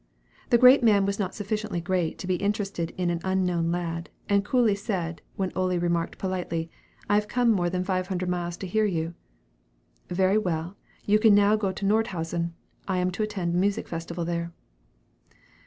The great man was not sufficiently great to be interested in an unknown lad, and coolly said, when Ole remarked politely, "I have come more than five hundred miles to hear you," "Very well, you can now go to Nordhausen; I am to attend a musical festival there."